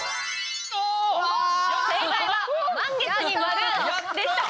正解は、満月に丸でした。